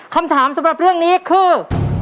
คำถามสำหรับเรื่องนี้คือ